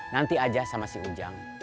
nanti aja sama si ujang